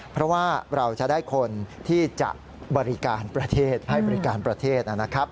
เพราะว่าเราจะได้คนที่จะบริการประเทศให้บริการประเทศนะครับ